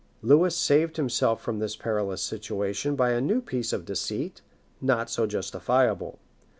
Lewis saved himself from this perilous situation by a new piece of deceit, not so justifiable.